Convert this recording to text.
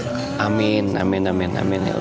semoga cita cita lu terkabul